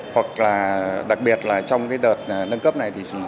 hoặc là đặc biệt trong đợt nâng cấp này